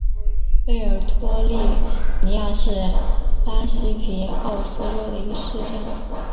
贝尔托利尼亚是巴西皮奥伊州的一个市镇。